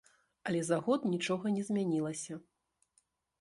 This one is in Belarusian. Але за год нічога не змянілася.